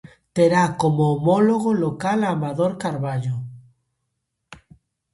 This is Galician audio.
Terá como homólogo local a Amador Carballo.